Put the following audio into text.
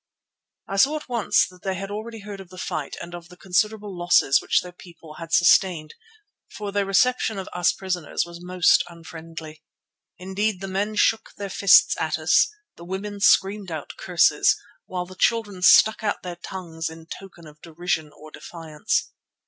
I saw at once that they had already heard of the fight and of the considerable losses which their people had sustained, for their reception of us prisoners was most unfriendly. Indeed the men shook their fists at us, the women screamed out curses, while the children stuck out their tongues in token of derision or defiance.